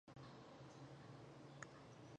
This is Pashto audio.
دوی به پر انګریزانو غالبیږي.